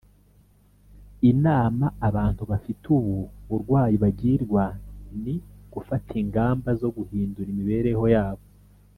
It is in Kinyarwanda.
Inama abantu bafite ubu burwayi bagirwa ni gufata ingamba zo guhindura imibereho yabo